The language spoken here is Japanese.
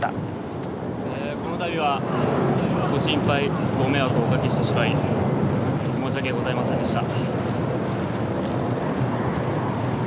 このたびはご心配、ご迷惑をおかけしてしまい、申し訳ございませんでした。